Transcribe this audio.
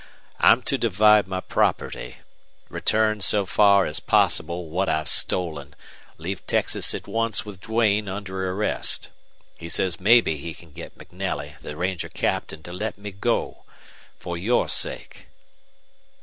I'm to divide my property return so far as possible what I've stolen leave Texas at once with Duane, under arrest. He says maybe he can get MacNelly, the ranger captain, to let me go. For your sake!"